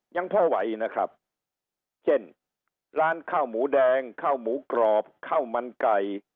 ยังพอไหวนะครับเช่นร้านข้าวหมูแดงข้าวหมูกรอบข้าวมันไก่